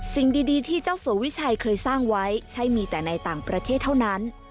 สิ่งดีที่เจ้าสัววิชัยเคยสร้างไว้ใช่มีแต่ในต่างประเทศเท่านั้น